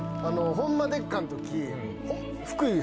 「ホンマでっか！？」の時福井